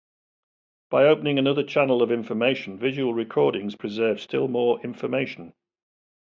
By opening another channel of information, visual recordings preserve still more information.